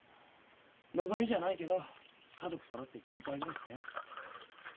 のぞみじゃないけど家族そろって賃貸暮らしだよ。